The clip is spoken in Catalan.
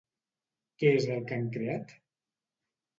Què és el que han creat?